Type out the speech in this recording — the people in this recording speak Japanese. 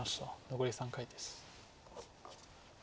残り３回です。